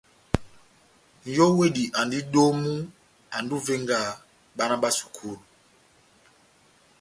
Nʼyówedi andi domu, andi ó ivenga bána bá sukulu.